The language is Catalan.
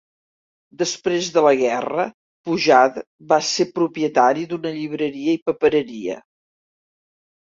Després de la guerra, Poujade va ser propietari d'una llibreria i papereria.